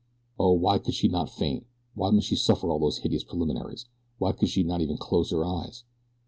Oh, why could she not faint? Why must she suffer all these hideous preliminaries? Why could she not even close her eyes?